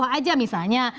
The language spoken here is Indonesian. tarif bawah aja misalnya